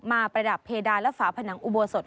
ประดับเพดานและฝาผนังอุโบสถ